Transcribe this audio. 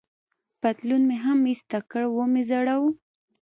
پتلون مې هم ایسته کړ، و مې ځړاوه.